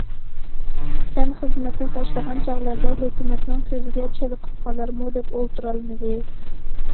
سەن خىزمەتنى تاشلىغان چاغلاردا ھۆكۈمەتنىڭ كۆزىگە چېلىقىپ قالارمۇ دەپ ئولتۇرالمىدى.